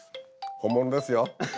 本物ですよ。